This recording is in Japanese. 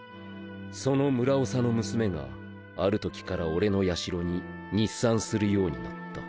その村長の娘があるときから俺の社に日参するようになった。